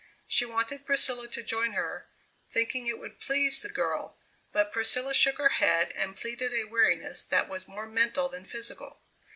She wanted Priscilla to join her, thinking it would please the girl, but Priscilla shook her head and pleaded a weariness that was more mental than physical.